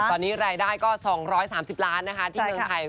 ตอนนี้รายได้ก็๒๓๐ล้านนะคะที่เมืองไทย